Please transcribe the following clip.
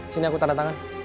sini aku tanda tangan